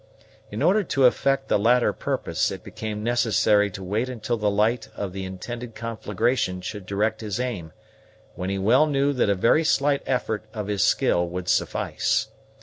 In order to effect the latter purpose, it became necessary to wait until the light of the intended conflagration should direct his aim, when he well knew that a very slight effort of his skill would suffice.